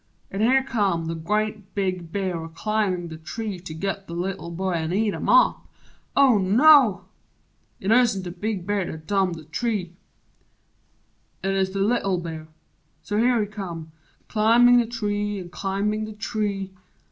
An' here come The grea' big Bear a climbin' th' tree to git The Little Boy an' eat him up Oh, no! It 'uzn't the Big Bear 'at dumb the tree It 'uz the Little Bear. So here he come Climbin' the tree an' climbin' the tree!